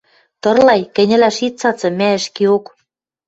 – Тырлай, кӹньӹлӓш ит цацы, мӓ ӹшкеок...